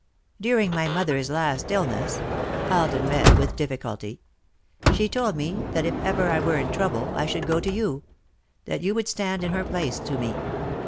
"'During my mother's last illness,'" Alden read, with difficulty, "'she told me that if I were ever in trouble, I should go to you that you would stand in her place to me.